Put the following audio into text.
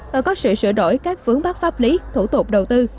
và có sự sửa đổi các phướng bác pháp lý thủ tục đầu tư